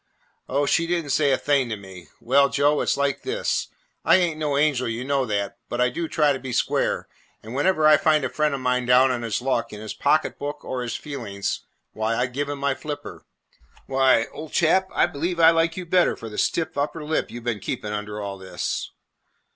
"Oh, she did n't say a thing to me." "Well, Joe, it 's just like this. I ain't an angel, you know that, but I do try to be square, and whenever I find a friend of mine down on his luck, in his pocket book or his feelings, why, I give him my flipper. Why, old chap, I believe I like you better for the stiff upper lip you 've been keeping under all this."